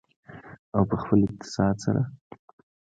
او په خپل اقتصاد سره.